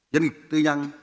doanh nghiệp tư nhân